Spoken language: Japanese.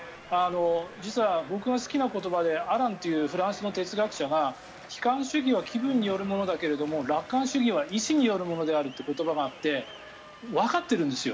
実は僕が好きな言葉でアランというフランスの哲学者が悲観主義は気分によるものだけれども楽観主義は意思によるものであるって言葉があってわかっているんですよ。